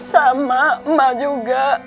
sama emak juga